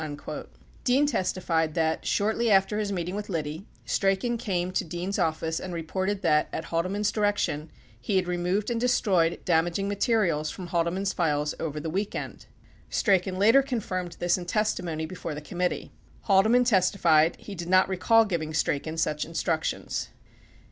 87 Dean testified that, shortly after his meeting with Liddy, Strachan came to Dean's office and reported that, at Haldeman's direction, he had removed and destroyed damaging materials from Haldeman's files over the weekend. 88 Strachan later confirmed this in testimony before the committee. 89 Haldeman testi fied he did not recall giving Strachan such instructions.